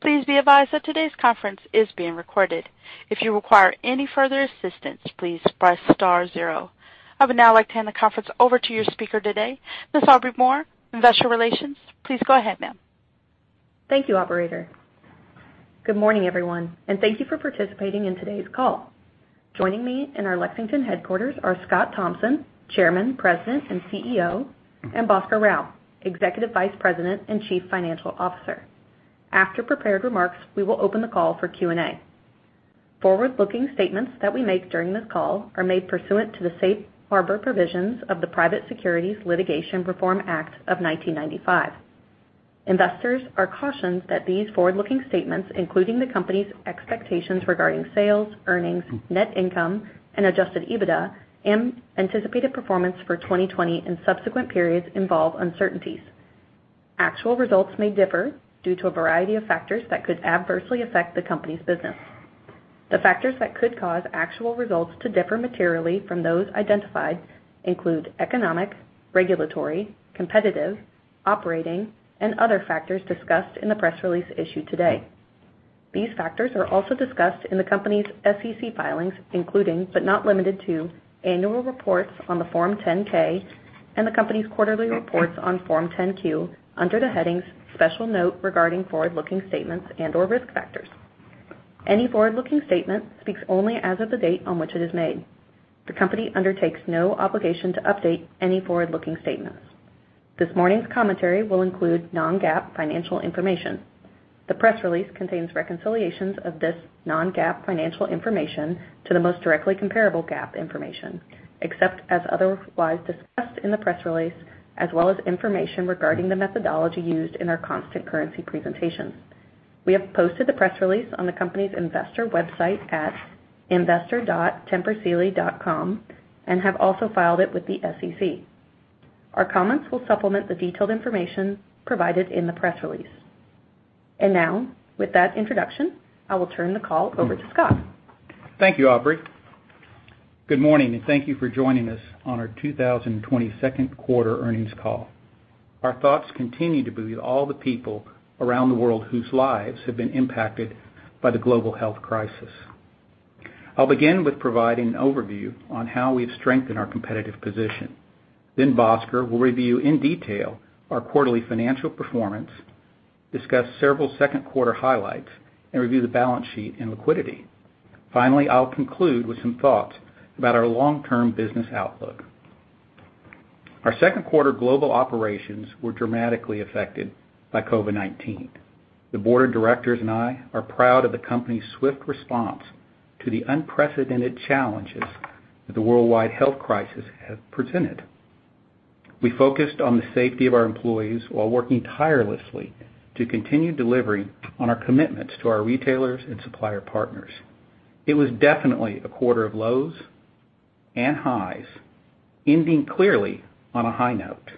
Please be advised that today's conference is being recorded. I would now like to hand the conference over to your speaker today, Ms. Aubrey Moore, Investor Relations. Please go ahead, ma'am. Thank you, operator. Good morning, everyone, and thank you for participating in today's call. Joining me in our Lexington headquarters are Scott Thompson, Chairman, President, and CEO, and Bhaskar Rao, Executive Vice President and Chief Financial Officer. After prepared remarks, we will open the call for Q&A. Forward-looking statements that we make during this call are made pursuant to the safe harbor provisions of the Private Securities Litigation Reform Act of 1995. Investors are cautioned that these forward-looking statements, including the company's expectations regarding sales, earnings, net income and adjusted EBITDA, and anticipated performance for 2020 and subsequent periods involve uncertainties. Actual results may differ due to a variety of factors that could adversely affect the company's business. The factors that could cause actual results to differ materially from those identified include economic, regulatory, competitive, operating, and other factors discussed in the press release issued today. These factors are also discussed in the company's SEC filings, including, but not limited to, annual reports on the Form 10-K and the company's quarterly reports on Form 10-Q under the headings "Special Note Regarding Forward-Looking Statements" and/or "Risk Factors." Any forward-looking statement speaks only as of the date on which it is made. The company undertakes no obligation to update any forward-looking statements. This morning's commentary will include non-GAAP financial information. The press release contains reconciliations of this non-GAAP financial information to the most directly comparable GAAP information, except as otherwise discussed in the press release, as well as information regarding the methodology used in our constant currency presentations. We have posted the press release on the company's investor website at investor.tempursealy.com and have also filed it with the SEC. Our comments will supplement the detailed information provided in the press release. Now, with that introduction, I will turn the call over to Scott. Thank you, Aubrey. Good morning, thank you for joining us on our 2020 second quarter earnings call. Our thoughts continue to be with all the people around the world whose lives have been impacted by the global health crisis. I'll begin with providing an overview on how we've strengthened our competitive position. Bhaskar will review in detail our quarterly financial performance, discuss several second quarter highlights, and review the balance sheet and liquidity. Finally, I'll conclude with some thoughts about our long-term business outlook. Our second quarter global operations were dramatically affected by COVID-19. The board of directors and I are proud of the company's swift response to the unprecedented challenges that the worldwide health crisis have presented. We focused on the safety of our employees while working tirelessly to continue delivering on our commitments to our retailers and supplier partners. It was definitely a quarter of lows and highs, ending clearly on a high note.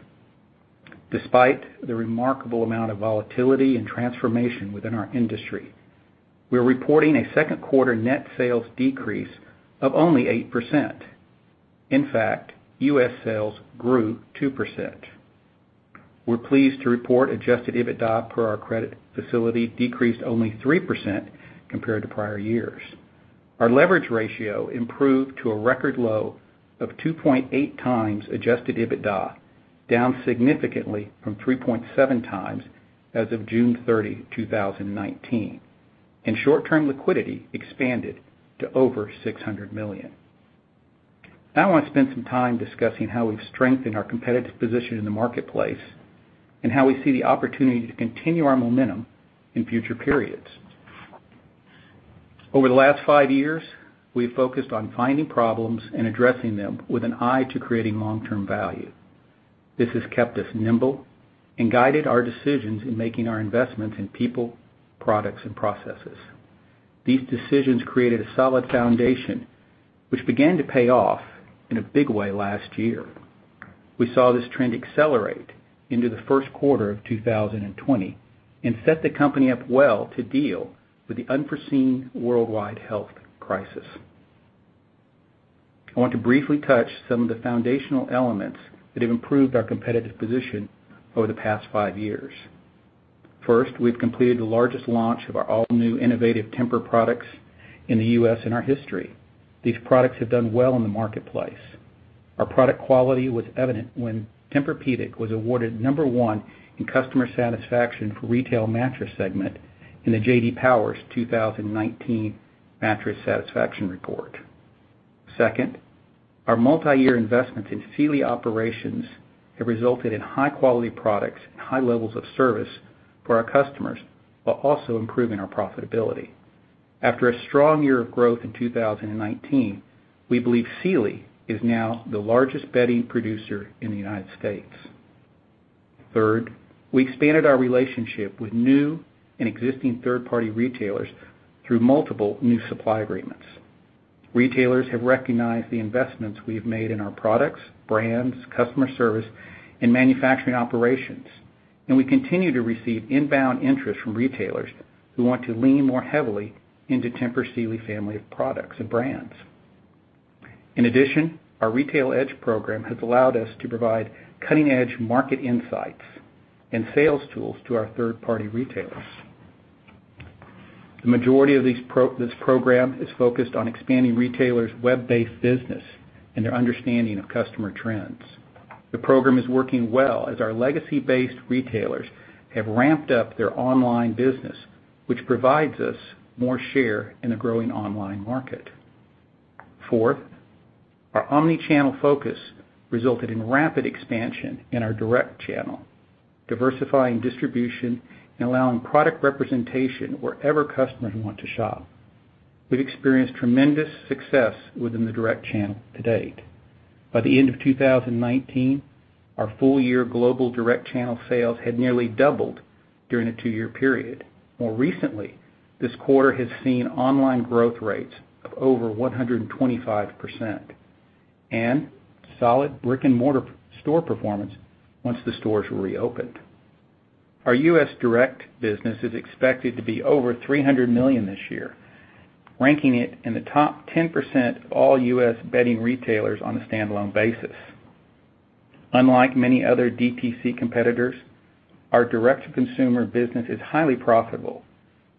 Despite the remarkable amount of volatility and transformation within our industry, we're reporting a second quarter net sales decrease of only 8%. In fact, U.S. sales grew 2%. We're pleased to report adjusted EBITDA per our credit facility decreased only 3% compared to prior years. Our leverage ratio improved to a record low of 2.8x adjusted EBITDA, down significantly from 3.7x as of June 30, 2019, and short-term liquidity expanded to over $600 million. Now I want to spend some time discussing how we've strengthened our competitive position in the marketplace and how we see the opportunity to continue our momentum in future periods. Over the last five years, we've focused on finding problems and addressing them with an eye to creating long-term value. This has kept us nimble and guided our decisions in making our investments in people, products, and processes. These decisions created a solid foundation which began to pay off in a big way last year. We saw this trend accelerate into the 1st quarter of 2020 and set the company up well to deal with the unforeseen worldwide health crisis. I want to briefly touch some of the foundational elements that have improved our competitive position over the past five years. First, we've completed the largest launch of our all-new innovative Tempur products in the U.S. in our history. These products have done well in the marketplace. Our product quality was evident when Tempur-Pedic was awarded number one in customer satisfaction for retail mattress segment in the J.D. Power 2019 Mattress Satisfaction Report. Second, our multi-year investments in Sealy operations have resulted in high-quality products and high levels of service for our customers while also improving our profitability. After a strong year of growth in 2019, we believe Sealy is now the largest bedding producer in the United States. Third, we expanded our relationship with new and existing third-party retailers through multiple new supply agreements. Retailers have recognized the investments we have made in our products, brands, customer service, and manufacturing operations, and we continue to receive inbound interest from retailers who want to lean more heavily into Tempur Sealy family of products and brands. In addition, our Retail Edge program has allowed us to provide cutting-edge market insights and sales tools to our third-party retailers. The majority of this program is focused on expanding retailers' web-based business and their understanding of customer trends. The program is working well as our legacy-based retailers have ramped up their online business, which provides us more share in a growing online market. Fourth, our omni-channel focus resulted in rapid expansion in our direct channel, diversifying distribution and allowing product representation wherever customers want to shop. We've experienced tremendous success within the direct channel to date. By the end of 2019, our full year global direct channel sales had nearly doubled during a two-year period. More recently, this quarter has seen online growth rates of over 125% and solid brick-and-mortar store performance once the stores were reopened. Our U.S. direct business is expected to be over $300 million this year, ranking it in the top 10% of all U.S. bedding retailers on a standalone basis. Unlike many other DTC competitors, our direct-to-consumer business is highly profitable,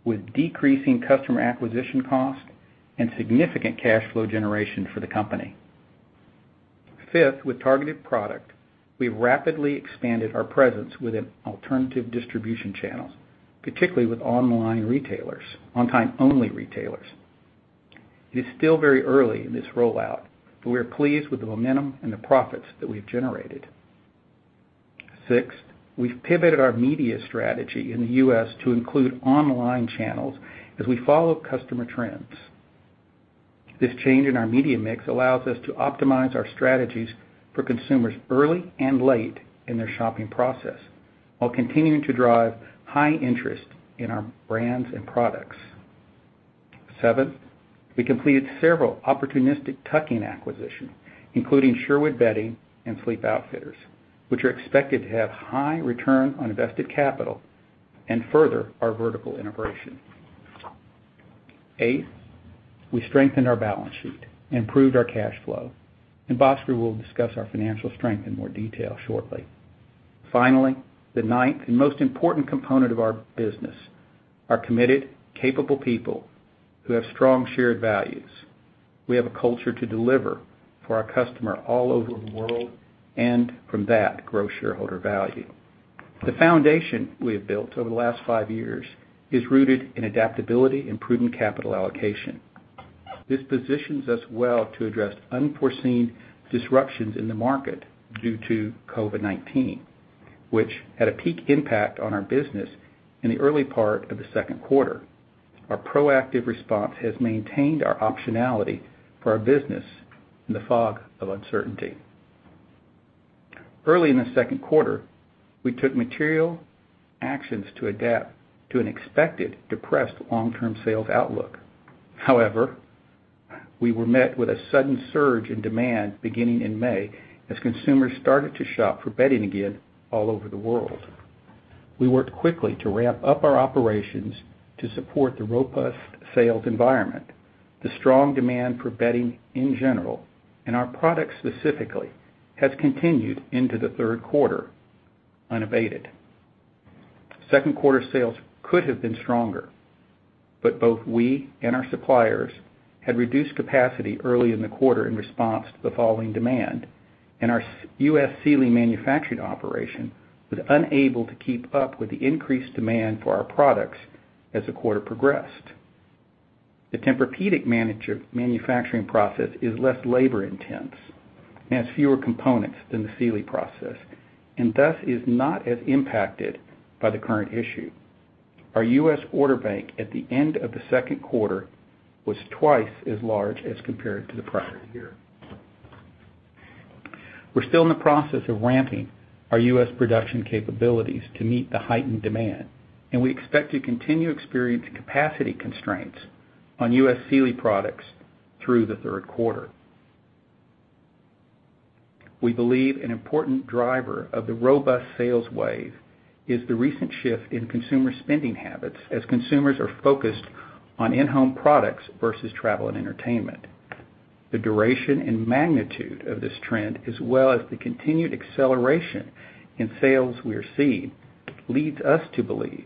with decreasing customer acquisition costs and significant cash flow generation for the company. Fifth, with targeted product, we've rapidly expanded our presence within alternative distribution channels, particularly with online-only retailers. It is still very early in this rollout, but we are pleased with the momentum and the profits that we've generated. Sixth, we've pivoted our media strategy in the U.S. to include online channels as we follow customer trends. This change in our media mix allows us to optimize our strategies for consumers early and late in their shopping process while continuing to drive high interest in our brands and products. Seventh, we completed several opportunistic tuck-in acquisitions, including Sherwood Bedding and Sleep Outfitters, which are expected to have high return on invested capital and further our vertical integration. Eighth, we strengthened our balance sheet and improved our cash flow, and Bhaskar Rao will discuss our financial strength in more detail shortly. Finally, the ninth and most important component of our business are committed, capable people who have strong shared values. We have a culture to deliver for our customer all over the world and from that grow shareholder value. The foundation we have built over the last five years is rooted in adaptability and prudent capital allocation. This positions us well to address unforeseen disruptions in the market due to COVID-19, which had a peak impact on our business in the early part of the second quarter. Our proactive response has maintained our optionality for our business in the fog of uncertainty. Early in the second quarter, we took material actions to adapt to an expected depressed long-term sales outlook. We were met with a sudden surge in demand beginning in May as consumers started to shop for bedding again all over the world. We worked quickly to ramp up our operations to support the robust sales environment. The strong demand for bedding in general, and our products specifically, has continued into the third quarter unabated. Second quarter sales could have been stronger, but both we and our suppliers had reduced capacity early in the quarter in response to the falling demand, and our U.S. Sealy manufacturing operation was unable to keep up with the increased demand for our products as the quarter progressed. The Tempur-Pedic manufacturing process is less labor-intense and has fewer components than the Sealy process, and thus is not as impacted by the current issue. Our U.S. order bank at the end of the second quarter was twice as large as compared to the prior year. We're still in the process of ramping our U.S. production capabilities to meet the heightened demand, and we expect to continue to experience capacity constraints on U.S. Sealy products through the third quarter. We believe an important driver of the robust sales wave is the recent shift in consumer spending habits as consumers are focused on in-home products versus travel and entertainment. The duration and magnitude of this trend, as well as the continued acceleration in sales we are seeing, leads us to believe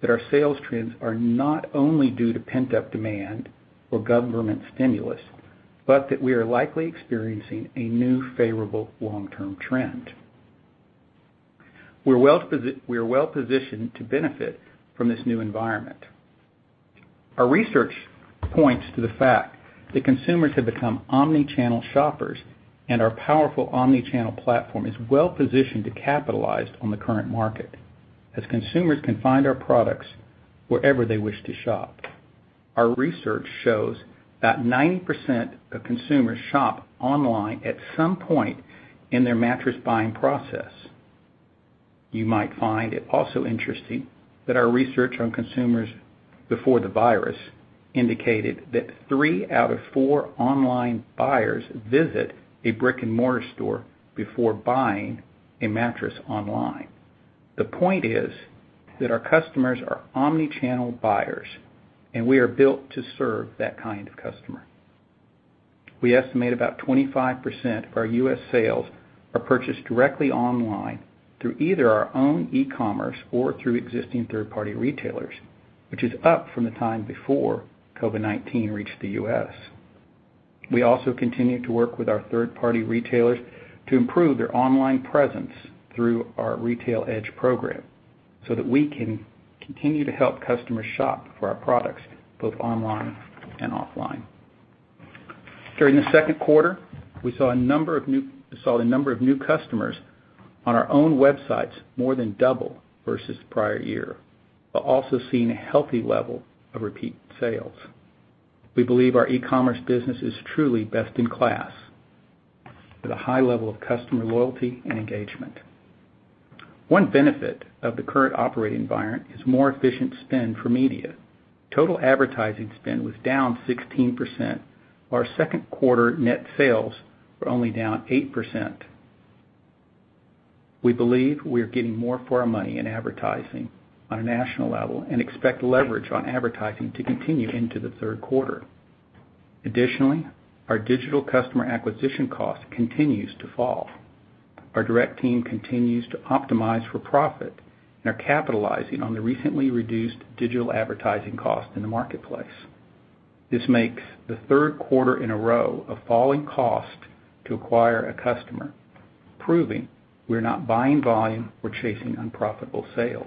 that our sales trends are not only due to pent-up demand or government stimulus, but that we are likely experiencing a new favorable long-term trend. We are well-positioned to benefit from this new environment. Our research points to the fact that consumers have become omni-channel shoppers, and our powerful omni-channel platform is well-positioned to capitalize on the current market as consumers can find our products wherever they wish to shop. Our research shows that 90% of consumers shop online at some point in their mattress buying process. You might find it also interesting that our research on consumers before the virus indicated that three out of four online buyers visit a brick-and-mortar store before buying a mattress online. The point is that our customers are omni-channel buyers, and we are built to serve that kind of customer. We estimate about 25% of our U.S. sales are purchased directly online through either our own e-commerce or through existing third-party retailers, which is up from the time before COVID-19 reached the U.S. We also continue to work with our third-party retailers to improve their online presence through our Retail Edge program so that we can continue to help customers shop for our products both online and offline. During the second quarter, we saw the number of new customers on our own websites more than double versus the prior year, while also seeing a healthy level of repeat sales. We believe our e-commerce business is truly best in class with a high level of customer loyalty and engagement. One benefit of the current operating environment is more efficient spend for media. Total advertising spend was down 16% while our second-quarter net sales were only down 8%. We believe we are getting more for our money in advertising on a national level and expect leverage on advertising to continue into the third quarter. Additionally, our digital customer acquisition cost continues to fall. Our direct team continues to optimize for profit and are capitalizing on the recently reduced digital advertising cost in the marketplace. This makes the third quarter in a row of falling costs to acquire a customer, proving we're not buying volume or chasing unprofitable sales.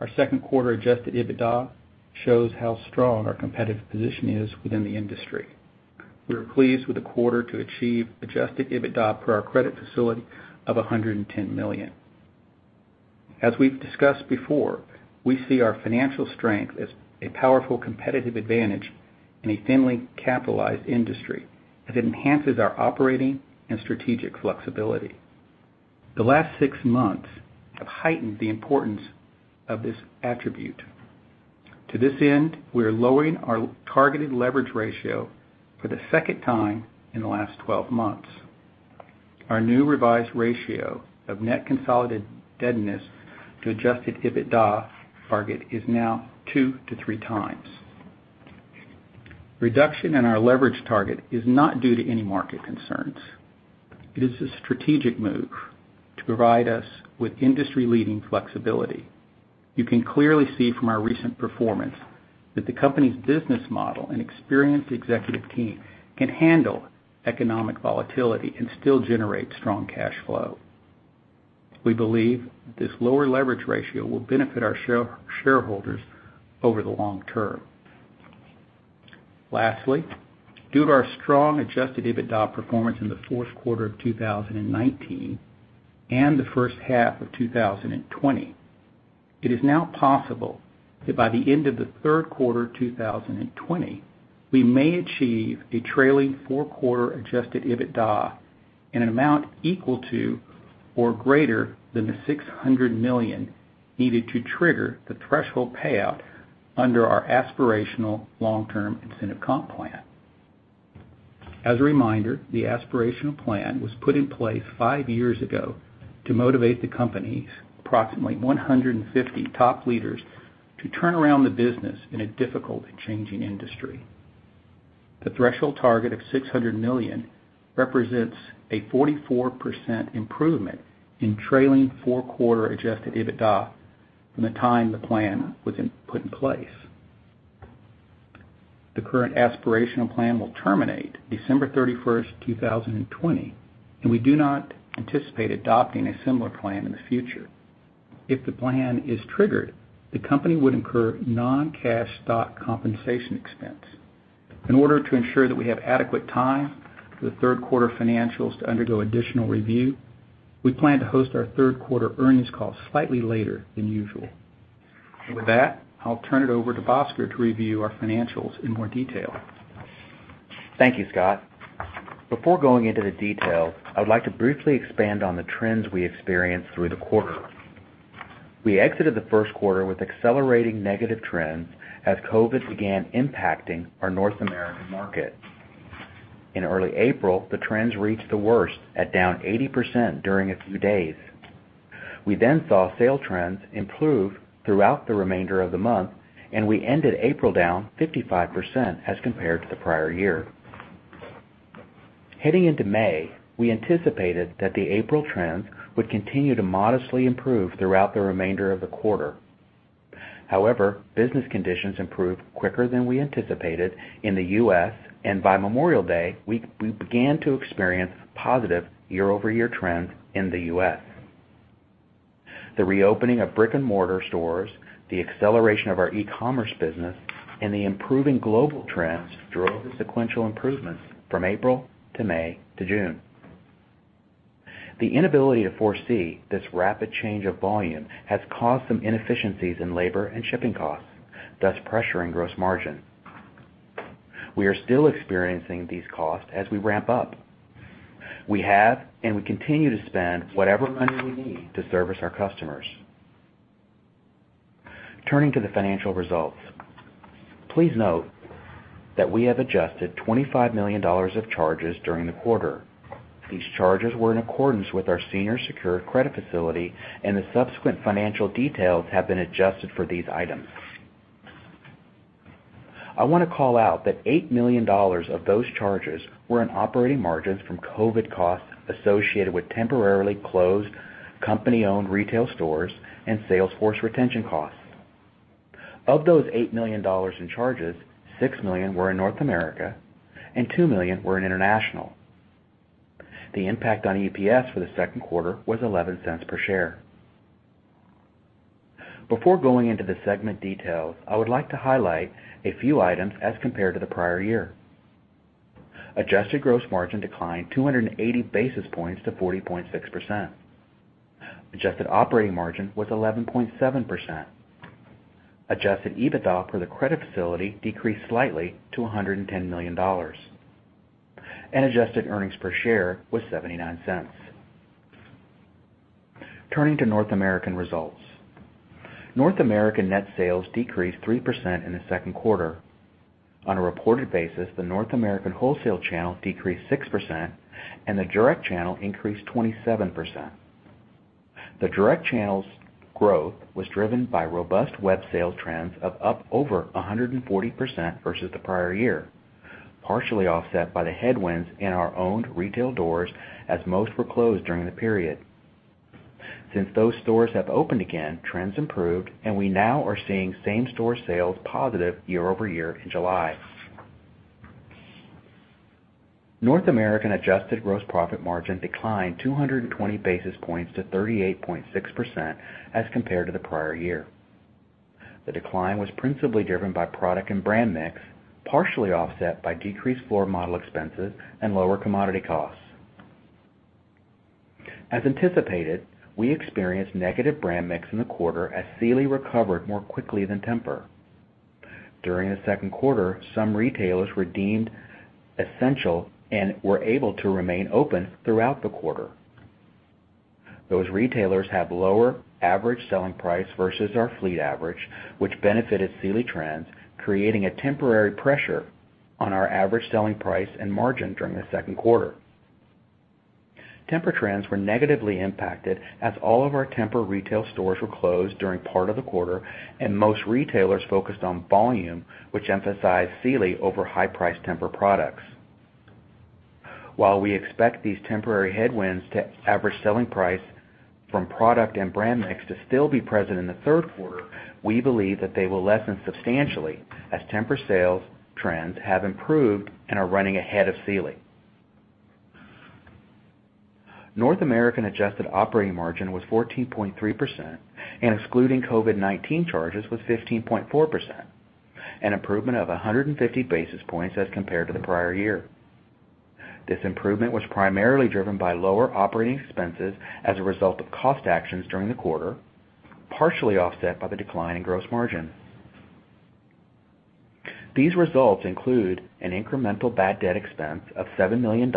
Our second quarter adjusted EBITDA shows how strong our competitive position is within the industry. We are pleased with the quarter to achieve adjusted EBITDA per our credit facility of $110 million. As we've discussed before, we see our financial strength as a powerful competitive advantage in a thinly capitalized industry as it enhances our operating and strategic flexibility. The last six months have heightened the importance of this attribute. To this end, we are lowering our targeted leverage ratio for the second time in the last 12 months. Our new revised ratio of net consolidated debtness to adjusted EBITDA target is now two-three times. Reduction in our leverage target is not due to any market concerns. It is a strategic move to provide us with industry-leading flexibility. You can clearly see from our recent performance that the company's business model and experienced executive team can handle economic volatility and still generate strong cash flow. We believe this lower leverage ratio will benefit our shareholders over the long term. Lastly, due to our strong adjusted EBITDA performance in the fourth quarter of 2019 and the first half of 2020, it is now possible that by the end of the third quarter 2020, we may achieve a trailing four-quarter adjusted EBITDA in an amount equal to or greater than the $600 million needed to trigger the threshold payout under our aspirational long-term incentive comp plan. As a reminder, the aspirational plan was put in place five years ago to motivate the company's approximately 150 top leaders to turn around the business in a difficult and changing industry. The threshold target of $600 million represents a 44% improvement in trailing four-quarter adjusted EBITDA from the time the plan was put in place. The current aspirational plan will terminate December 31, 2020, and we do not anticipate adopting a similar plan in the future. If the plan is triggered, the company would incur non-cash stock compensation expense. In order to ensure that we have adequate time for the third-quarter financials to undergo additional review, we plan to host our third-quarter earnings call slightly later than usual. With that, I'll turn it over to Bhaskar to review our financials in more detail. Thank you, Scott. Before going into the detail, I would like to briefly expand on the trends we experienced through the quarter. We exited the first quarter with accelerating negative trends as COVID began impacting our North American market. In early April, the trends reached the worst at down 80% during a few days. We then saw sale trends improve throughout the remainder of the month. We ended April down 55% as compared to the prior year. Heading into May, we anticipated that the April trends would continue to modestly improve throughout the remainder of the quarter. However, business conditions improved quicker than we anticipated in the U.S. By Memorial Day, we began to experience positive year-over-year trends in the U.S. The reopening of brick-and-mortar stores, the acceleration of our e-commerce business, and the improving global trends drove sequential improvements from April to May to June. The inability to foresee this rapid change of volume has caused some inefficiencies in labor and shipping costs, thus pressuring gross margin. We are still experiencing these costs as we ramp up. We have and we continue to spend whatever money we need to service our customers. Turning to the financial results. Please note that we have adjusted $25 million of charges during the quarter. These charges were in accordance with our senior secured credit facility, and the subsequent financial details have been adjusted for these items. I wanna call out that $8 million of those charges were in operating margins from COVID costs associated with temporarily closed company-owned retail stores and sales force retention costs. Of those $8 million in charges, $6 million were in North America and $2 million were in international. The impact on EPS for the second quarter was $0.11 per share. Before going into the segment details, I would like to highlight a few items as compared to the prior year. Adjusted gross margin declined 280 basis points to 40.6%. Adjusted operating margin was 11.7%. Adjusted EBITDA for the credit facility decreased slightly to $110 million. Adjusted earnings per share was $0.79. Turning to North American results. North American net sales decreased 3% in the second quarter. On a reported basis, the North American wholesale channel decreased 6% and the direct channel increased 27%. The direct channel's growth was driven by robust web sales trends of up over 140% versus the prior year, partially offset by the headwinds in our owned retail doors, as most were closed during the period. Since those stores have opened again, trends improved, and we now are seeing same-store sales positive year-over-year in July. North American adjusted gross profit margin declined 220 basis points to 38.6% as compared to the prior year. The decline was principally driven by product and brand mix, partially offset by decreased floor model expenses and lower commodity costs. As anticipated, we experienced negative brand mix in the quarter as Sealy recovered more quickly than Tempur. During the second quarter, some retailers were deemed essential and were able to remain open throughout the quarter. Those retailers have lower average selling price versus our fleet average, which benefited Sealy trends, creating a temporary pressure on our average selling price and margin during the second quarter. Tempur trends were negatively impacted as all of our Tempur retail stores were closed during part of the quarter and most retailers focused on volume, which emphasized Sealy over high-priced Tempur products. While we expect these temporary headwinds to average selling price from product and brand mix to still be present in the third quarter, we believe that they will lessen substantially as Tempur sales trends have improved and are running ahead of Sealy. North American adjusted operating margin was 14.3%, and excluding COVID-19 charges was 15.4%, an improvement of 150 basis points as compared to the prior year. This improvement was primarily driven by lower operating expenses as a result of cost actions during the quarter, partially offset by the decline in gross margin. These results include an incremental bad debt expense of $7 million,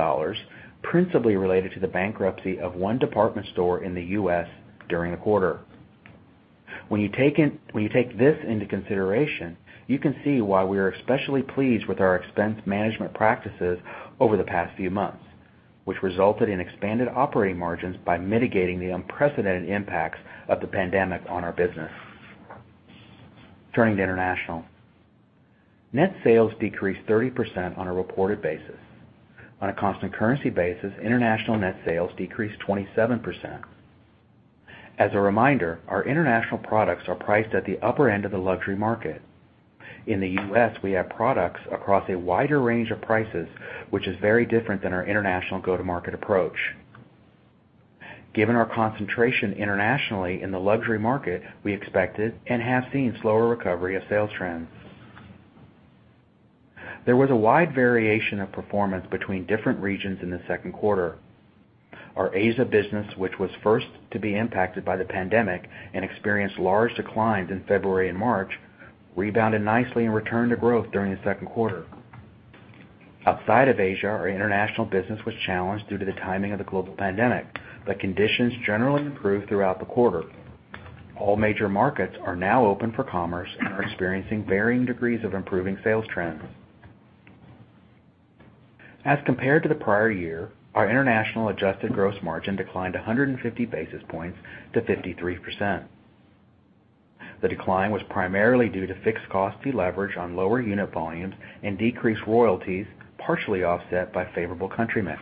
principally related to the bankruptcy of one department store in the U.S. during the quarter. When you take this into consideration, you can see why we are especially pleased with our expense management practices over the past few months, which resulted in expanded operating margins by mitigating the unprecedented impacts of the pandemic on our business. Turning to international. Net sales decreased 30% on a reported basis. On a constant currency basis, international net sales decreased 27%. As a reminder, our international products are priced at the upper end of the luxury market. In the U.S., we have products across a wider range of prices, which is very different than our international go-to-market approach. Given our concentration internationally in the luxury market, we expected, and have seen, slower recovery of sales trends. There was a wide variation of performance between different regions in the second quarter. Our Asia business, which was first to be impacted by the pandemic and experienced large declines in February and March, rebounded nicely and returned to growth during the second quarter. Outside of Asia, our international business was challenged due to the timing of the global pandemic, but conditions generally improved throughout the quarter. All major markets are now open for commerce and are experiencing varying degrees of improving sales trends. As compared to the prior year, our international adjusted gross margin declined 150 basis points to 53%. The decline was primarily due to fixed cost deleverage on lower unit volumes and decreased royalties, partially offset by favorable country mix.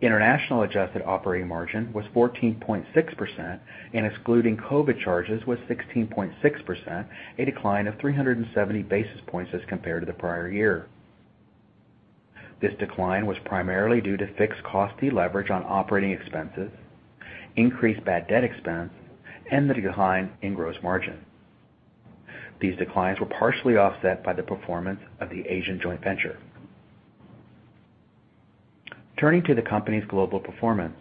International adjusted operating margin was 14.6% and excluding COVID charges, was 16.6%, a decline of 370 basis points as compared to the prior year. This decline was primarily due to fixed cost deleverage on operating expenses, increased bad debt expense, and the decline in gross margin. These declines were partially offset by the performance of the Asian joint venture. Turning to the company's global performance.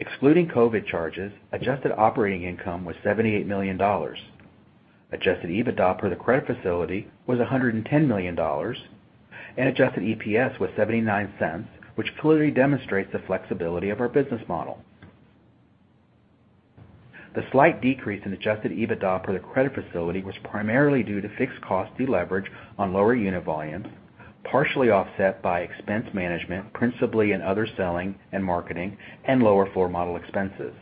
Excluding COVID charges, adjusted operating income was $78 million. Adjusted EBITDA per the credit facility was $110 million, and adjusted EPS was $0.79, which clearly demonstrates the flexibility of our business model. The slight decrease in adjusted EBITDA per the credit facility was primarily due to fixed cost deleverage on lower unit volumes, partially offset by expense management, principally in other selling and marketing, and lower floor model expenses.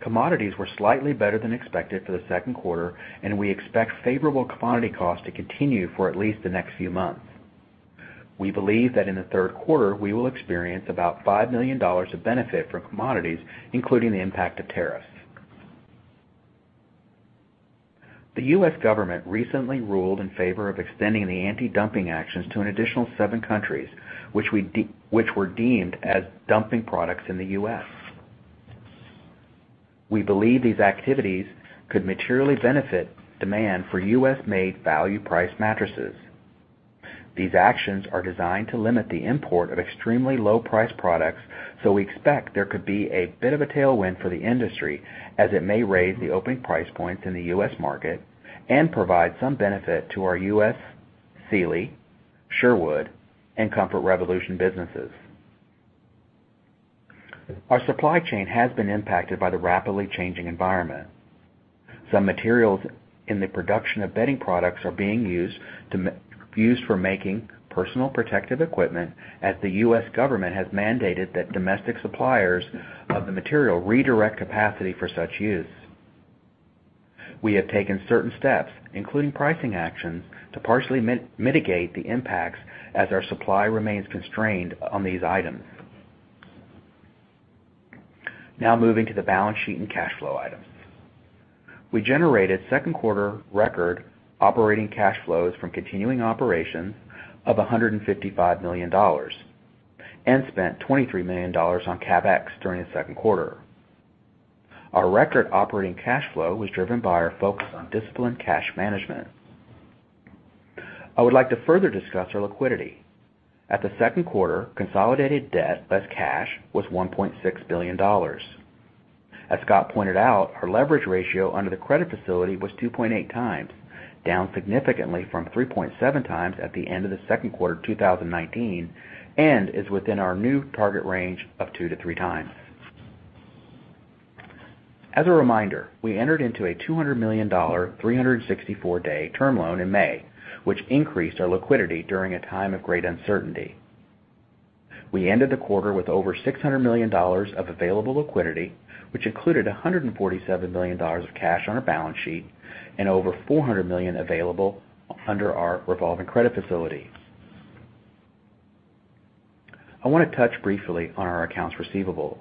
Commodities were slightly better than expected for the second quarter. We expect favorable commodity costs to continue for at least the next few months. We believe that in the third quarter, we will experience about $5 million of benefit from commodities, including the impact of tariffs. The U.S. government recently ruled in favor of extending the anti-dumping actions to an additional seven countries, which were deemed as dumping products in the U.S. We believe these activities could materially benefit demand for U.S.-made value price mattresses. These actions are designed to limit the import of extremely low-priced products, so we expect there could be a bit of a tailwind for the industry as it may raise the opening price points in the U.S. market and provide some benefit to our U.S. Sealy, Sherwood, and Comfort Revolution businesses. Our supply chain has been impacted by the rapidly changing environment. Some materials in the production of bedding products are being used for making personal protective equipment, as the U.S. government has mandated that domestic suppliers of the material redirect capacity for such use. We have taken certain steps, including pricing actions, to partially mitigate the impacts as our supply remains constrained on these items. Now moving to the balance sheet and cash flow items. We generated second-quarter record operating cash flows from continuing operations of $155 million and spent $23 million on CapEx during the second quarter. Our record operating cash flow was driven by our focus on disciplined cash management. I would like to further discuss our liquidity. At the second quarter, consolidated debt, less cash, was $1.6 billion. As Scott pointed out, our leverage ratio under the credit facility was 2.8x, down significantly from 3.7x at the end of the second quarter 2019, and is within our new target range of two-3x. As a reminder, we entered into a $200 million 364-day term loan in May, which increased our liquidity during a time of great uncertainty. We ended the quarter with over $600 million of available liquidity, which included $147 million of cash on our balance sheet and over $400 million available under our revolving credit facility. I wanna touch briefly on our accounts receivable.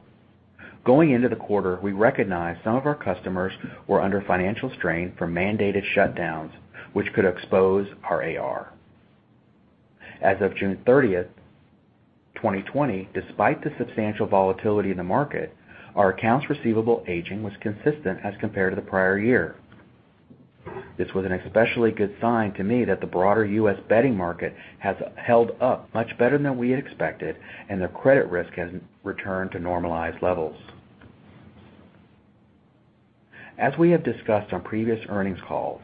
Going into the quarter, we recognized some of our customers were under financial strain from mandated shutdowns, which could expose our AR. As of June 30, 2020, despite the substantial volatility in the market, our accounts receivable aging was consistent as compared to the prior year. This was an especially good sign to me that the broader U.S. bedding market has held up much better than we had expected, the credit risk has returned to normalized levels. As we have discussed on previous earnings calls,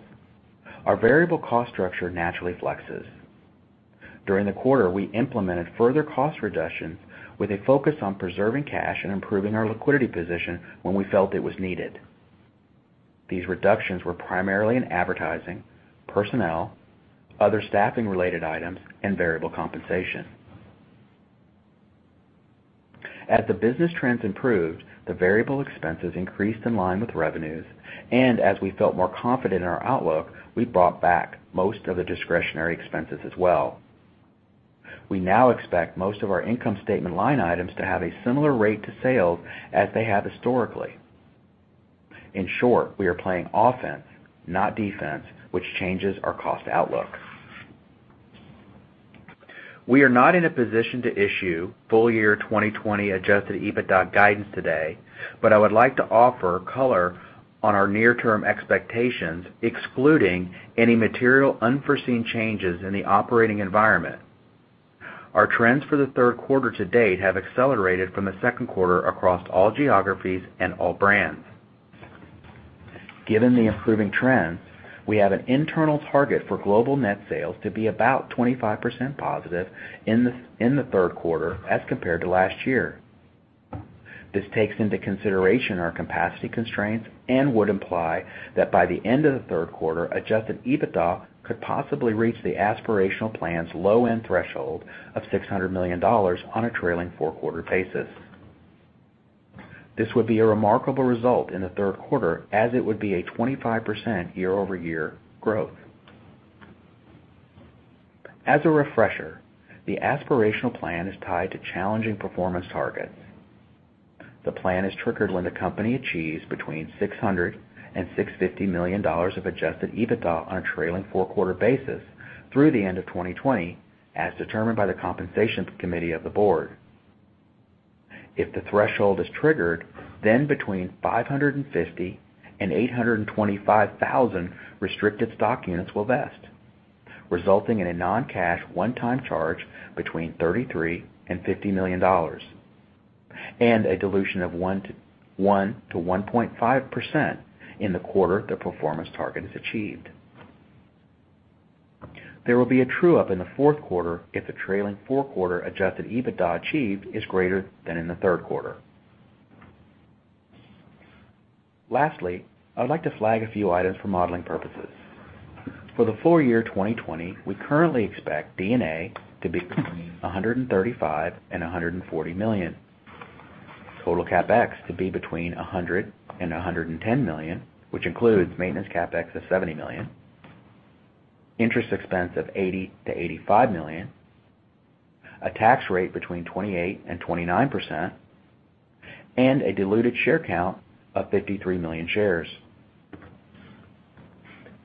our variable cost structure naturally flexes. During the quarter, we implemented further cost reductions with a focus on preserving cash and improving our liquidity position when we felt it was needed. These reductions were primarily in advertising, personnel, other staffing related items, and variable compensation. As the business trends improved, the variable expenses increased in line with revenues, and as we felt more confident in our outlook, we brought back most of the discretionary expenses as well. We now expect most of our income statement line items to have a similar rate to sales as they have historically. In short, we are playing offense, not defense, which changes our cost outlook. We are not in a position to issue full year 2020 adjusted EBITDA guidance today, but I would like to offer color on our near-term expectations, excluding any material unforeseen changes in the operating environment. Our trends for the third quarter to date have accelerated from the second quarter across all geographies and all brands. Given the improving trends, we have an internal target for global net sales to be about 25% positive in the third quarter as compared to last year. This takes into consideration our capacity constraints and would imply that by the end of the third quarter, adjusted EBITDA could possibly reach the aspirational plan's low-end threshold of $600 million on a trailing four-quarter basis. This would be a remarkable result in the third quarter, as it would be a 25% year-over-year growth. As a refresher, the aspirational plan is tied to challenging performance targets. The plan is triggered when the company achieves between $600 million-$650 million of adjusted EBITDA on a trailing four-quarter basis through the end of 2020, as determined by the compensation committee of the Board. If the threshold is triggered, between 550,000 and 825,000 restricted stock units will vest, resulting in a non-cash one-time charge between $33 million-$50 million. A dilution of 1%-1.5% in the quarter the performance target is achieved. There will be a true-up in the fourth quarter if the trailing four-quarter adjusted EBITDA achieved is greater than in the third quarter. Lastly, I would like to flag a few items for modeling purposes. For the full year 2020, we currently expect D&A to be between $135 million and $140 million, total CapEx to be between $100 million and $110 million, which includes maintenance CapEx of $70 million, interest expense of $80 million-$85 million, a tax rate between 28% and 29%, and a diluted share count of 53 million shares.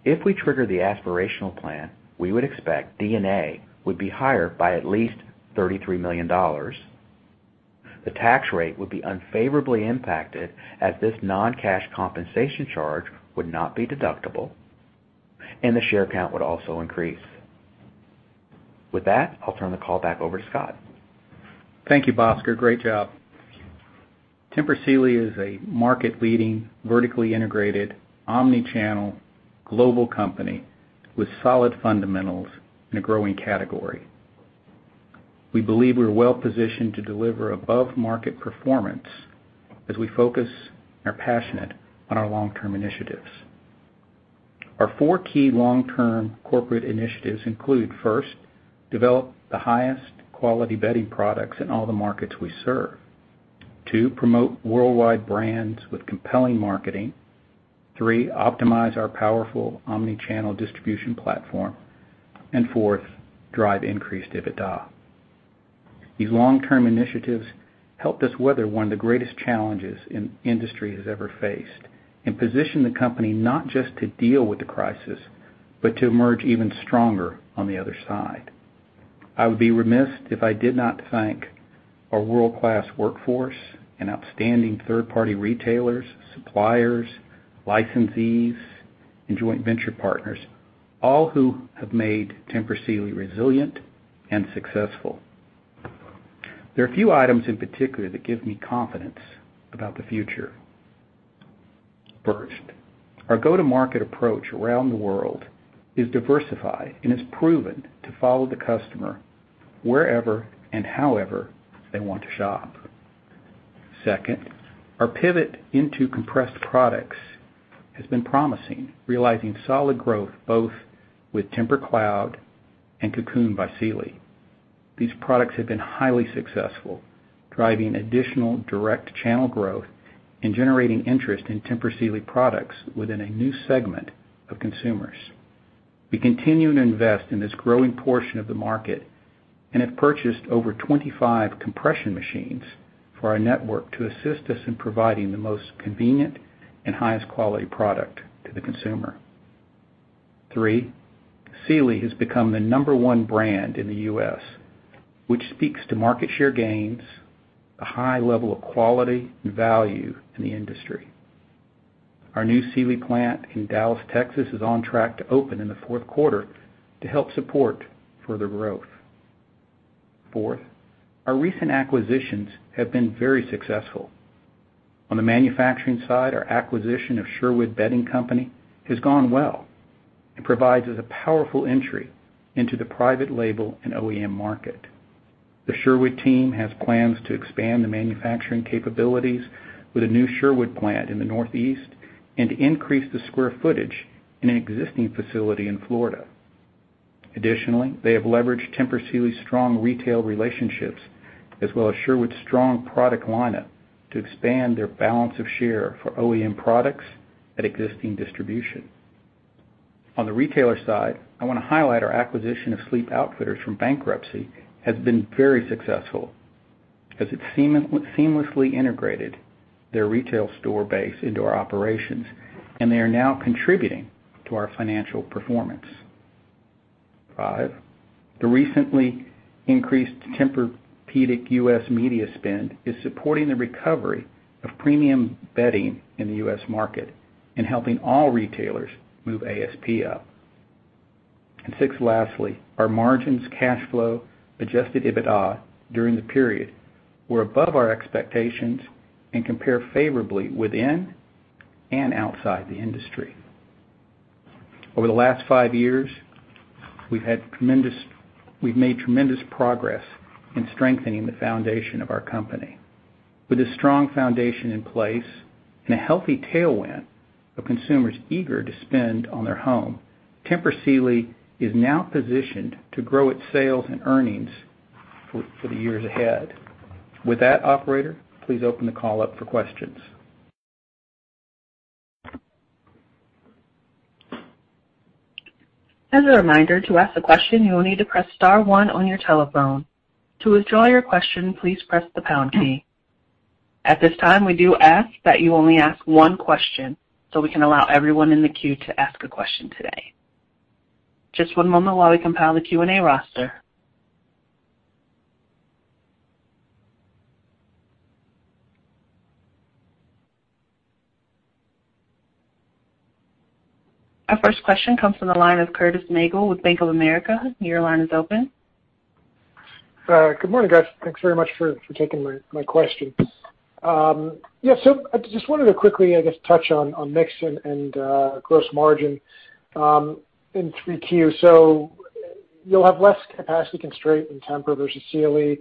If we trigger the aspirational plan, we would expect D&A would be higher by at least $33 million. The tax rate would be unfavorably impacted as this non-cash compensation charge would not be deductible, and the share count would also increase. With that, I'll turn the call back over to Scott. Thank you, Bhaskar. Great job. Tempur Sealy is a market-leading, vertically integrated, omni-channel global company with solid fundamentals in a growing category. We believe we're well-positioned to deliver above-market performance as we focus and are passionate on our long-term initiatives. Our four key long-term corporate initiatives include, first, develop the highest quality bedding products in all the markets we serve. Two, promote worldwide brands with compelling marketing. Three, optimize our powerful omni-channel distribution platform. Fourth, drive increased EBITDA. These long-term initiatives helped us weather one of the greatest challenges any industry has ever faced and position the company not just to deal with the crisis, but to emerge even stronger on the other side. I would be remiss if I did not thank our world-class workforce and outstanding third-party retailers, suppliers, licensees, and joint venture partners, all who have made Tempur Sealy resilient and successful. There are a few items in particular that give me confidence about the future. First, our go-to-market approach around the world is diversified and is proven to follow the customer wherever and however they want to shop. Second, our pivot into compressed products has been promising, realizing solid growth both with TEMPUR-Cloud and Cocoon by Sealy. These products have been highly successful, driving additional direct channel growth and generating interest in Tempur Sealy products within a new segment of consumers. We continue to invest in this growing portion of the market and have purchased over 25 compression machines for our network to assist us in providing the most convenient and highest quality product to the consumer. Three, Sealy has become the number one brand in the U.S., which speaks to market share gains, a high level of quality and value in the industry. Our new Sealy plant in Dallas, Texas, is on track to open in the fourth quarter to help support further growth. Fourth, our recent acquisitions have been very successful. On the manufacturing side, our acquisition of Sherwood Bedding Company has gone well and provides us a powerful entry into the private label and OEM market. The Sherwood team has plans to expand the manufacturing capabilities with a new Sherwood plant in the Northeast and increase the square footage in an existing facility in Florida. Additionally, they have leveraged Tempur Sealy's strong retail relationships as well as Sherwood's strong product lineup to expand their balance of share for OEM products at existing distribution. On the retailer side, I want to highlight our acquisition of Sleep Outfitters from bankruptcy has been very successful as it seamlessly integrated their retail store base into our operations, and they are now contributing to our financial performance. Five. The recently increased Tempur-Pedic U.S. media spend is supporting the recovery of premium bedding in the U.S. market and helping all retailers move ASP up. Six. Lastly, our margins, cash flow, adjusted EBITDA during the period were above our expectations and compare favorably within and outside the industry. Over the last five years, we've made tremendous progress in strengthening the foundation of our company. With a strong foundation in place and a healthy tailwind of consumers eager to spend on their home, Tempur Sealy is now positioned to grow its sales and earnings for the years ahead. With that, operator, please open the call up for questions. As a reminder, to ask a question, you will need to press star one on your telephone. To withdraw your question, please press the pound key. At this time, we do ask that you only ask one question so we can allow everyone in the queue to ask a question today. Just one moment while we compile the Q&A roster. Our first question comes from the line of Curtis Nagle with Bank of America. Your line is open. Good morning, guys. Thanks very much for taking my question. Yeah, I just wanted to quickly, I guess, touch on mix and gross margin in 3Q. You'll have less capacity constraint in Tempur versus Sealy.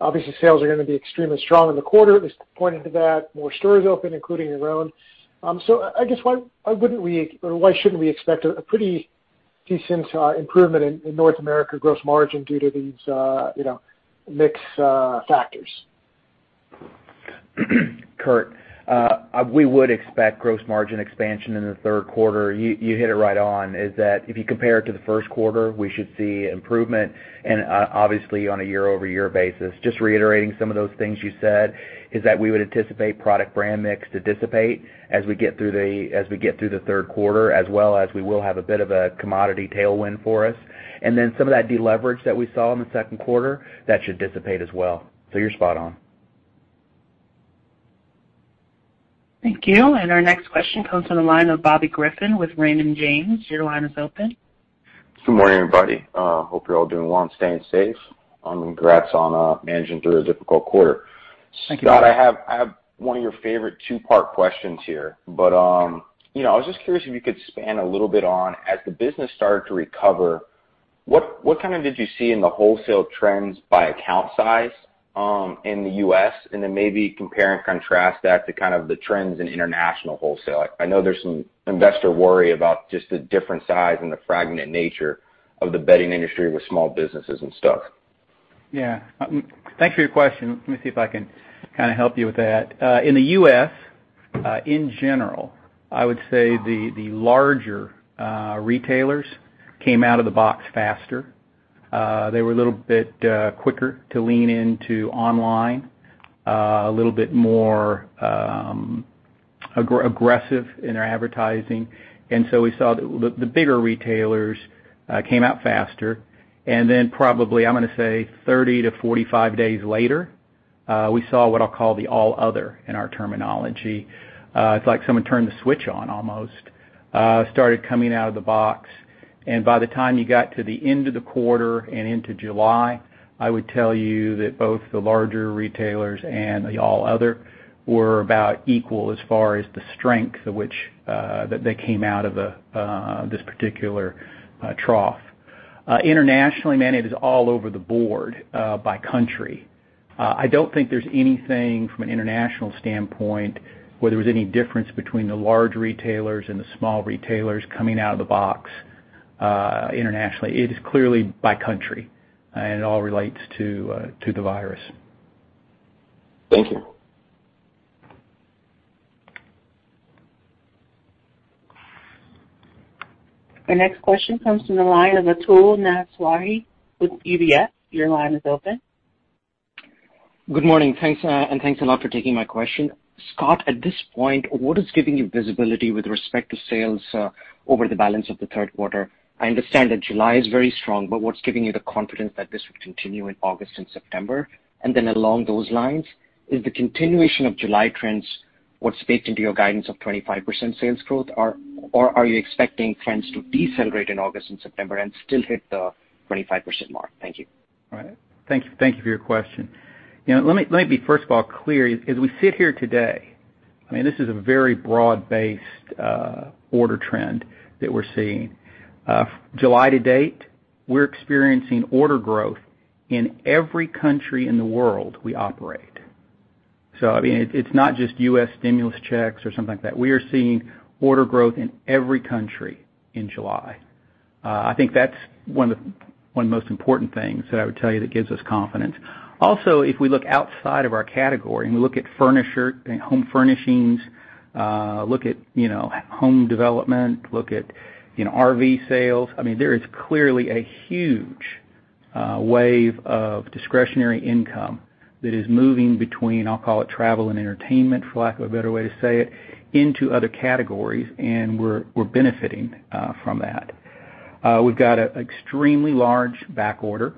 Obviously, sales are gonna be extremely strong in the quarter, at least pointing to that, more stores open, including your own. I guess, why wouldn't we or why shouldn't we expect a pretty decent improvement in North America gross margin due to these, you know, mix factors? Curt, we would expect gross margin expansion in the third quarter. You hit it right on, is that if you compare it to the first quarter, we should see improvement and obviously on a year-over-year basis. Just reiterating some of those things you said, is that we would anticipate product brand mix to dissipate as we get through the third quarter, as well as we will have a bit of a commodity tailwind for us. Then some of that deleverage that we saw in the second quarter, that should dissipate as well. You're spot on. Thank you. Our next question comes from the line of Bobby Griffin with Raymond James. Your line is open. Good morning, everybody. Hope you're all doing well and staying safe. Congrats on managing through a difficult quarter. Thank you. Scott, I have one of your favorite two-part questions here. You know, I was just curious if you could expand a little bit on, as the business started to recover, what kind of did you see in the wholesale trends by account size in the U.S., and then maybe compare and contrast that to kind of the trends in international wholesale? I know there's some investor worry about just the different size and the fragment nature of the bedding industry with small businesses and stuff. Thanks for your question. Let me see if I can kinda help you with that. In the U.S., in general, I would say the larger retailers came out of the box faster. They were a little bit quicker to lean into online, a little bit more aggressive in their advertising. We saw the bigger retailers came out faster, and then probably, I'm gonna say 30 to 45 days later, we saw what I'll call the all other in our terminology. It's like someone turned the switch on almost, started coming out of the box. By the time you got to the end of the quarter and into July, I would tell you that both the larger retailers and the all other were about equal as far as the strength at which that they came out of this particular trough. Internationally, man, it is all over the board by country. I don't think there's anything from an international standpoint where there was any difference between the large retailers and the small retailers coming out of the box internationally. It is clearly by country, and it all relates to the virus. Thank you. Our next question comes from the line of Atul Maheswari with UBS. Your line is open. Good morning. Thanks, and thanks a lot for taking my question. Scott, at this point, what is giving you visibility with respect to sales over the balance of the third quarter? I understand that July is very strong, what's giving you the confidence that this would continue in August and September? Along those lines, is the continuation of July trends what's baked into your guidance of 25% sales growth? Are you expecting trends to decelerate in August and September and still hit the 25% mark? Thank you. All right. Thank you. Thank you for your question. You know, let me be first of all clear. As we sit here today, I mean, this is a very broad-based order trend that we're seeing. July to date, we're experiencing order growth in every country in the world we operate. I mean, it's not just U.S. stimulus checks or something like that. We are seeing order growth in every country in July. I think that's one of the most important things that I would tell you that gives us confidence. If we look outside of our category and we look at furniture and home furnishings, look at, you know, home development, look at, you know, RV sales, I mean, there is clearly a huge wave of discretionary income that is moving between, I'll call it travel and entertainment, for lack of a better way to say it, into other categories, and we're benefiting from that. We've got an extremely large back order,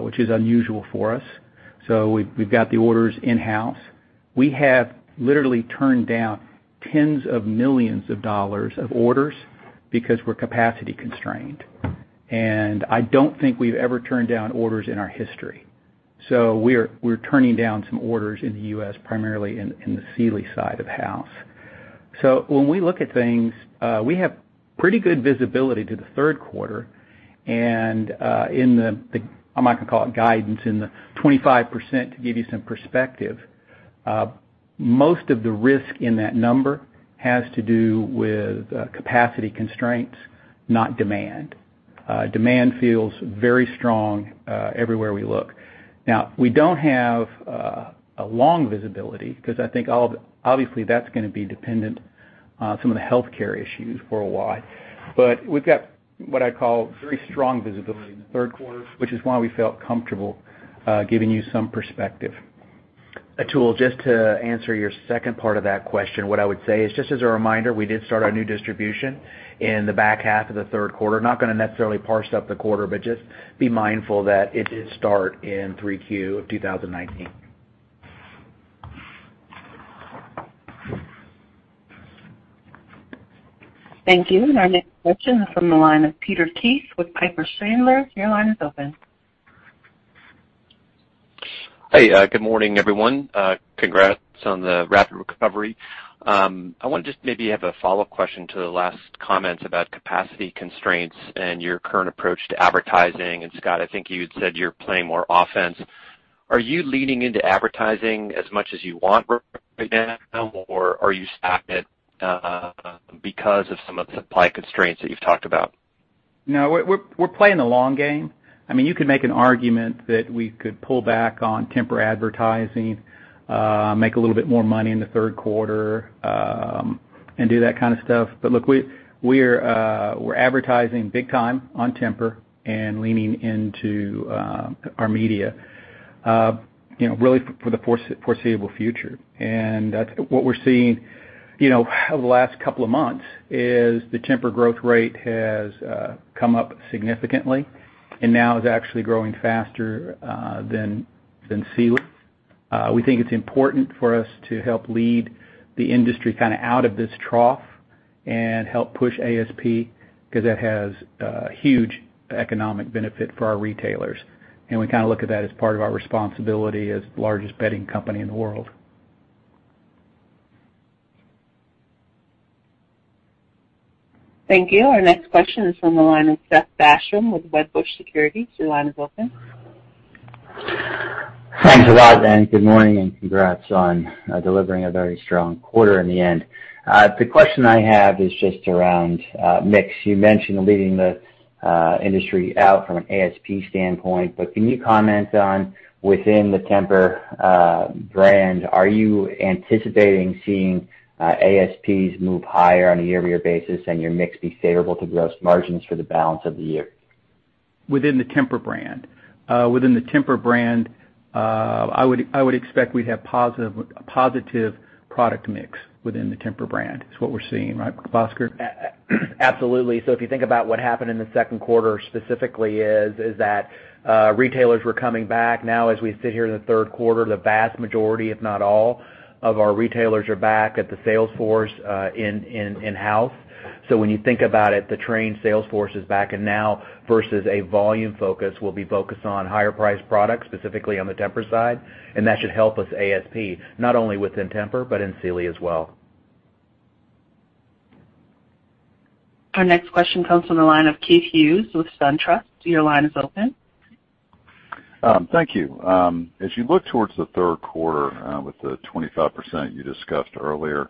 which is unusual for us. We've got the orders in-house. We have literally turned down tens of millions of dollars of orders because we're capacity constrained, and I don't think we've ever turned down orders in our history. We're turning down some orders in the U.S., primarily in the Sealy side of house. When we look at things, we have pretty good visibility to the 3rd quarter. In the 25%, to give you some perspective, most of the risk in that number has to do with capacity constraints, not demand. Demand feels very strong everywhere we look. We don't have a long visibility because obviously that's gonna be dependent on some of the healthcare issues for a while. We've got what I call very strong visibility in the 3rd quarter, which is why we felt comfortable giving you some perspective. Atul, just to answer your second part of that question, what I would say is, just as a reminder, we did start our new distribution in the back half of the third quarter. Not gonna necessarily parse up the quarter, but just be mindful that it did start in 3Q of 2019. Thank you. Our next question is from the line of Peter Keith with Piper Sandler. Your line is open. Hey, good morning, everyone. Congrats on the rapid recovery. I wanna just maybe have a follow-up question to the last comments about capacity constraints and your current approach to advertising. Scott, I think you had said you're playing more offense. Are you leaning into advertising as much as you want right now, or are you stopped at because of some of the supply constraints that you've talked about? No, we're playing the long game. I mean, you could make an argument that we could pull back on Tempur advertising, make a little bit more money in the third quarter, and do that kind of stuff. Look, we're advertising big time on Tempur and leaning into our media, you know, really for the foreseeable future. That's what we're seeing, you know, over the last couple of months is the Tempur growth rate has come up significantly and now is actually growing faster than Sealy. We think it's important for us to help lead the industry kind of out of this trough and help push ASP because that has huge economic benefit for our retailers. We kind of look at that as part of our responsibility as the largest bedding company in the world. Thank you. Our next question is from the line of Seth Basham with Wedbush Securities. Your line is open. Thanks a lot, good morning, and congrats on delivering a very strong quarter in the end. The question I have is just around mix. You mentioned leading the industry out from an ASP standpoint, can you comment on within the Tempur brand, are you anticipating seeing ASPs move higher on a year-over-year basis and your mix be favorable to gross margins for the balance of the year? Within the Tempur brand, I would expect we'd have a positive product mix within the Tempur brand is what we're seeing, right, Bhaskar? Absolutely. If you think about what happened in the second quarter specifically is that retailers were coming back. As we sit here in the third quarter, the vast majority, if not all of our retailers are back at the sales force in-house. When you think about it, the trained sales force is back and now versus a volume focus, we'll be focused on higher priced products, specifically on the Tempur side. That should help us ASP, not only within Tempur, but in Sealy as well. Our next question comes from the line of Keith Hughes with SunTrust. Your line is open. Thank you. As you look towards the third quarter, with the 25% you discussed earlier,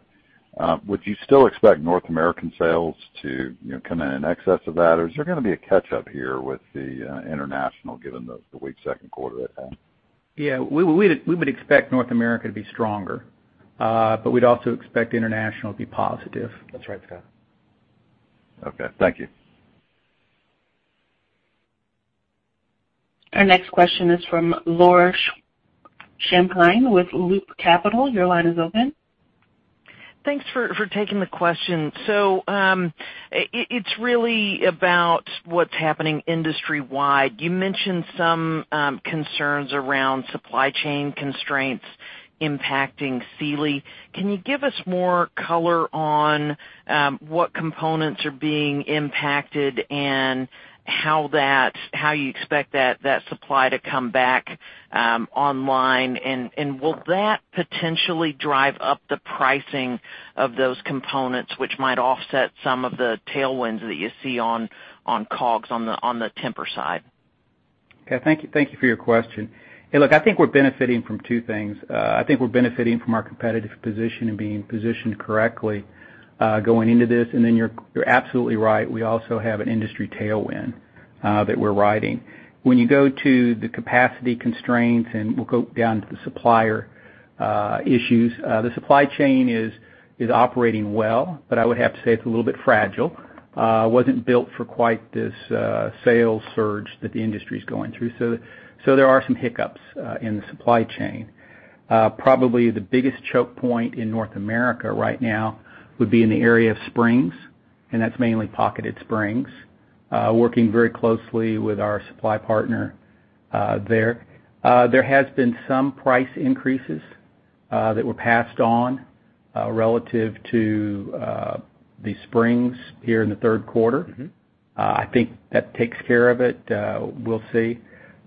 would you still expect North American sales to come in in excess of that? Or is there gonna be a catch-up here with the International, given the weak second quarter they've had? Yeah. We would expect North America to be stronger, but we'd also expect international to be positive. That's right, Scott. Okay. Thank you. Our next question if from Laura Champine with Loop Capital. Your line is open. Thanks for taking the question. It's really about what's happening industry-wide. You mentioned some concerns around supply chain constraints impacting Sealy. Can you give us more color on what components are being impacted and how you expect that supply to come back online? Will that potentially drive up the pricing of those components, which might offset some of the tailwinds that you see on COGS on the Tempur side? Okay. Thank you, thank you for your question. Hey, look, I think we're benefiting from two things. I think we're benefiting from our competitive position and being positioned correctly, going into this. Then you're absolutely right, we also have an industry tailwind that we're riding. When you go to the capacity constraints. We'll go down to the supplier issues. The supply chain is operating well, I would have to say it's a little bit fragile. It wasn't built for quite this sales surge that the industry's going through. There are some hiccups in the supply chain. Probably the biggest choke point in North America right now would be in the area of springs. That's mainly pocketed springs. We are working very closely with our supply partner there. there has been some price increases, that were passed on, relative to, the springs here in the third quarter. I think that takes care of it. We'll see.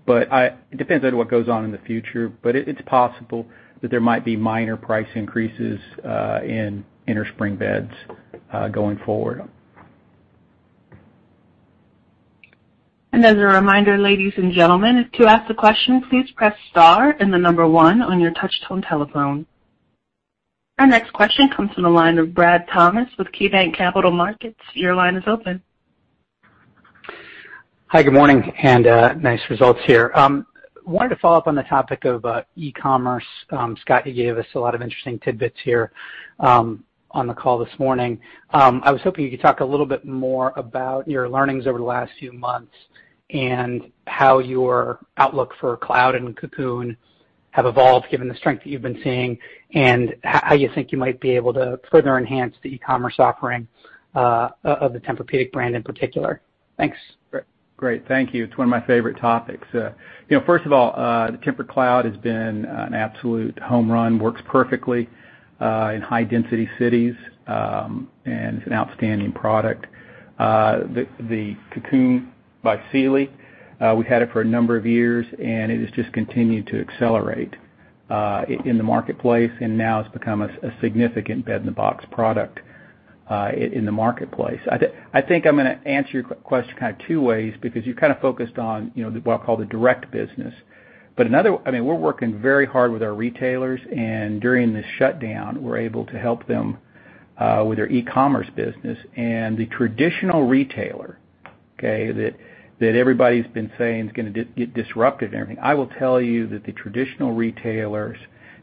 It depends on what goes on in the future, but it's possible that there might be minor price increases in innerspring beds going forward. Our next question comes from the line of Brad Thomas with KeyBanc Capital Markets. Your line is open. Hi, good morning, nice results here. Wanted to follow up on the topic of e-commerce. Scott, you gave us a lot of interesting tidbits here on the call this morning. I was hoping you could talk a little bit more about your learnings over the last few months and how your outlook for Cloud and Cocoon have evolved given the strength that you've been seeing, and how you think you might be able to further enhance the e-commerce offering of the Tempur-Pedic brand in particular. Thanks. Great. Thank you. It's one of my favorite topics. You know, first of all, the Tempur-Cloud has been an absolute home run. Works perfectly in high density cities, and it's an outstanding product. The Cocoon by Sealy, we had it for a number of years, and it has just continued to accelerate in the marketplace, and now it's become a significant bed-in-a-box product in the marketplace. I think I'm gonna answer your question kind of two ways because you kind of focused on, you know, the, what I call the direct business. I mean, we're working very hard with our retailers, and during this shutdown, we're able to help them with their e-commerce business. The traditional retailer, okay, that everybody's been saying is gonna disrupted and everything, I will tell you that the traditional retailers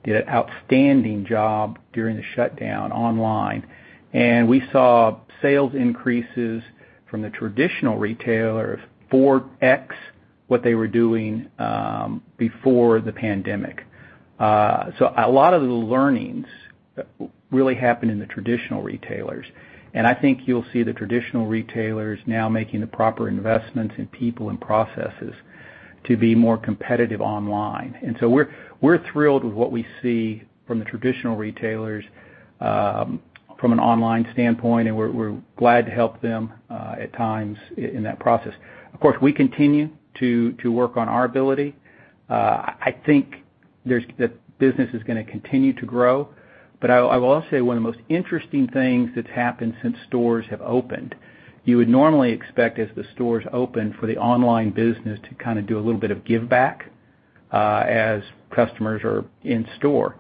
did an outstanding job during the shutdown online. We saw sales increases from the traditional retailers, 4x what they were doing before the pandemic. A lot of the learnings really happened in the traditional retailers. I think you'll see the traditional retailers now making the proper investments in people and processes to be more competitive online. We're thrilled with what we see from the traditional retailers from an online standpoint, and we're glad to help them at times in that process. Of course, we continue to work on our ability. I think the business is gonna continue to grow. I will also say one of the most interesting things that's happened since stores have opened, you would normally expect as the stores open for the online business to kind of do a little bit of give back as customers are in store.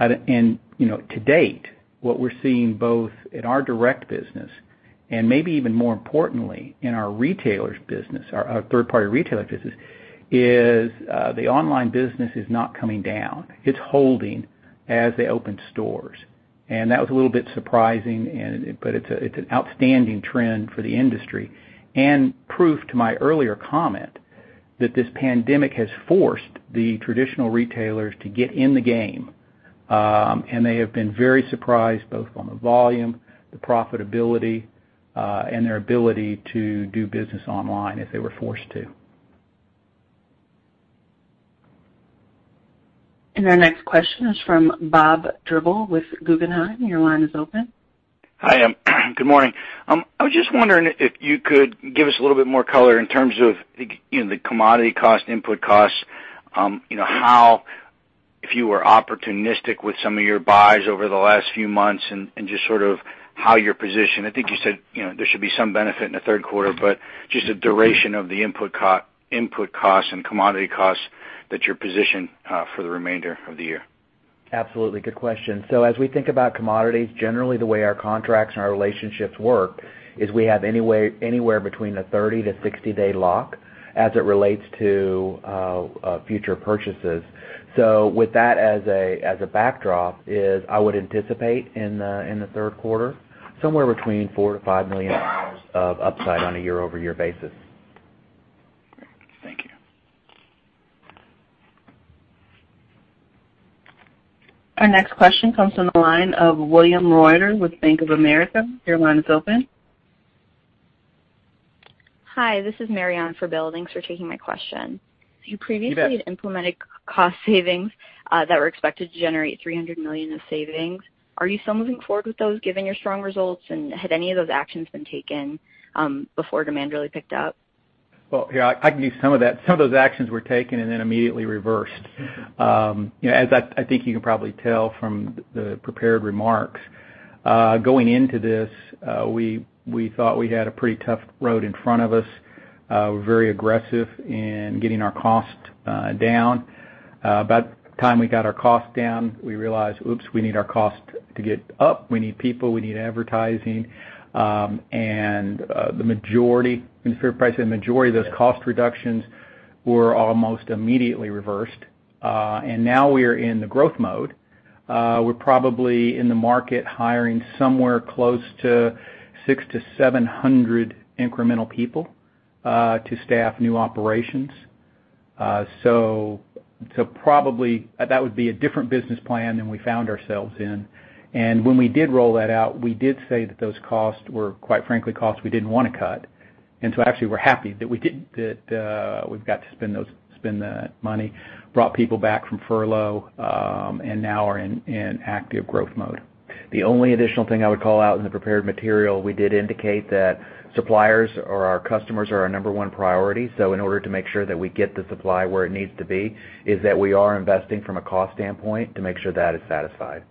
You know, to date, what we're seeing both in our direct business, and maybe even more importantly in our retailers business, our third party retailer business, is the online business is not coming down. It's holding as they open stores. That was a little bit surprising but it's an outstanding trend for the industry and proof to my earlier comment that this pandemic has forced the traditional retailers to get in the game. They have been very surprised both on the volume, the profitability, and their ability to do business online if they were forced to. Our next question is from Bob Drbul with Guggenheim. Your line is open. Hi. Good morning. I was just wondering if you could give us a little bit more color in terms of the, you know, the commodity cost, input costs, you know, how, if you were opportunistic with some of your buys over the last few months and just sort of how you're positioned. I think you said, you know, there should be some benefit in the third quarter, but just the duration of the input costs and commodity costs that you're positioned for the remainder of the year. Absolutely. Good question. As we think about commodities, generally the way our contracts and our relationships work is we have anyway, anywhere between a 30 to 60 day lock as it relates to future purchases. With that as a backdrop is I would anticipate in the third quarter, somewhere between $4 million-$5 million of upside on a year-over-year basis. Thank you. Our next question comes from the line of William Reuter with Bank of America. Your line is open. Hi, this is Marianne for [building]. Thanks for taking my question. You bet. You previously had implemented cost savings, that were expected to generate $300 million of savings. Are you still moving forward with those given your strong results? Had any of those actions been taken, before demand really picked up? Yeah, I can give you some of that. Some of those actions were taken and then immediately reversed. You know, as I think you can probably tell from the prepared remarks, going into this, we thought we had a pretty tough road in front of us. We're very aggressive in getting our cost down. About the time we got our costs down, we realized, oops, we need our cost to get up. We need people, we need advertising. The majority, in fair price, the majority of those cost reductions were almost immediately reversed. Now we are in the growth mode. We're probably in the market hiring somewhere close to 600-700 incremental people to staff new operations. Probably that would be a different business plan than we found ourselves in. When we did roll that out, we did say that those costs were, quite frankly, costs we didn't want to cut. Actually we're happy that we did, that we've got to spend that money, brought people back from furlough, and now are in active growth mode. The only additional thing I would call out in the prepared material, we did indicate that suppliers or our customers are our number one priority. In order to make sure that we get the supply where it needs to be is that we are investing from a cost standpoint to make sure that is satisfied.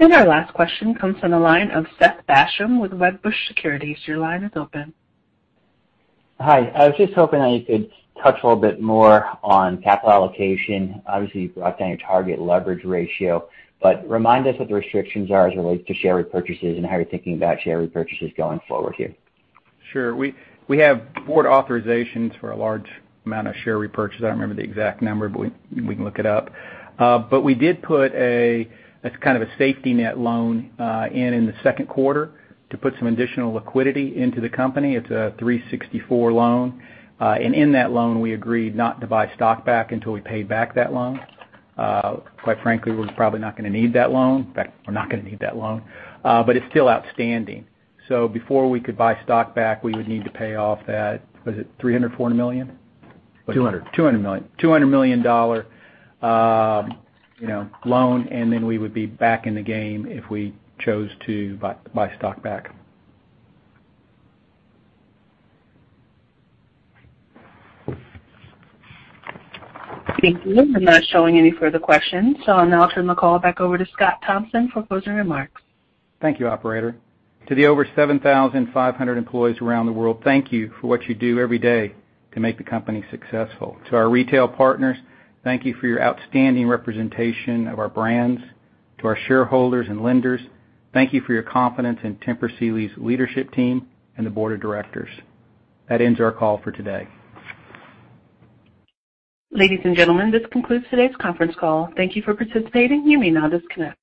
Our last question comes from the line of Seth Basham with Wedbush Securities. Your line is open. Hi. I was just hoping that you could touch a little bit more on capital allocation. Obviously, you brought down your target leverage ratio. Remind us what the restrictions are as it relates to share repurchases and how you're thinking about share repurchases going forward here. Sure. We have board authorizations for a large amount of share repurchase. I don't remember the exact number, but we can look it up. But we did put a, it's kind of a safety net loan, in the second quarter to put some additional liquidity into the company. It's a 364 loan. In that loan, we agreed not to buy stock back until we paid back that loan. Quite frankly, we're probably not gonna need that loan. In fact, we're not gonna need that loan. It's still outstanding. Before we could buy stock back, we would need to pay off that, was it $304 million? $200. 200 million. $200 million, you know, loan, and then we would be back in the game if we chose to buy stock back. Thank you. I'm not showing any further questions, so I'll now turn the call back over to Scott Thompson for closing remarks. Thank you, operator. To the over 7,500 employees around the world, thank you for what you do every day to make the company successful. To our retail partners, thank you for your outstanding representation of our brands. To our shareholders and lenders, thank you for your confidence in Tempur Sealy's leadership team and the board of directors. That ends our call for today. Ladies and gentlemen, this concludes today's conference call. Thank you for participating. You may now disconnect.